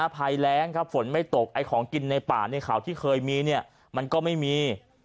พัยแร้งฝนไม่ตกของกินในป่าข่าวที่เคยมีเนี่ยมันก็ไม่มี